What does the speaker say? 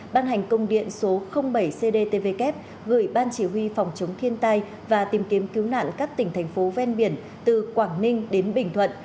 ban hành công điện số bảy cdtvk gửi ban chỉ huy phòng chống thiên tai và tìm kiếm cứu nạn các tỉnh thành phố ven biển từ quảng ninh đến bình thuận